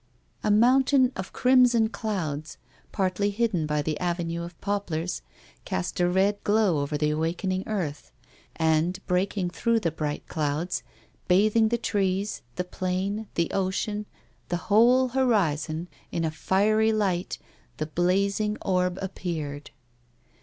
A mountain of crimson clouds, partly hidden by the avenue of poplars, cast a red glow over the awakened earth, and, breaking through the bright clouds, bathing the trees, the plain, the ocean, the whole horizon, in a fiery light, the blazing orb appeared.